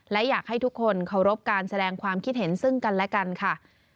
และอยากให้ทุกคนเคารพการแสดงความคิดเห็นซึ่งกันและกันค่ะ